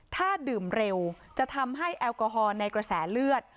ถ้าดื่มเร็วจะทำให้แอลกอฮอล์ในกระแสเลือด